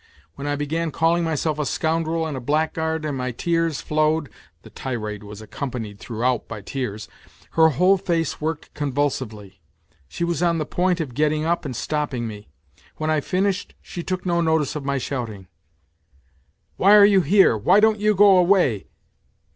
When I began calling myself a scoundrel and a blackguard and my tears flowed (the tirade was accompanied throughout by tears) her whole face worked convulsively. She was on the point of getting up and stopping me ; when I finished she took no notice of my shouting :" Why are you here, why don't you go away